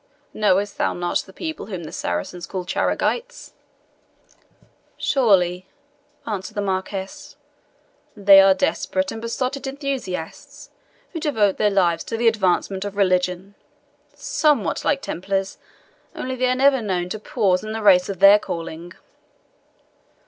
Knowest thou not the people whom the Saracens call Charegites?" "Surely," answered the Marquis; "they are desperate and besotted enthusiasts, who devote their lives to the advancement of religion somewhat like Templars, only they are never known to pause in the race of their calling."